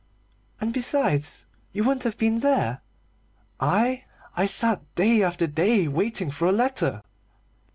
"And, besides, you wouldn't have been there " "I? I sat day after day waiting for a letter."